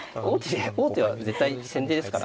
王手は絶対先手ですから。